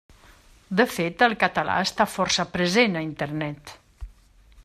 De fet el català està força present a Internet.